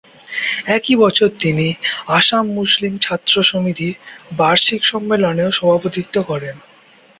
একই বছর তিনি ‘আসাম মুসলিম ছাত্র সমিতি’-র বার্ষিক সম্মেলনেও সভাপতিত্ব করেন।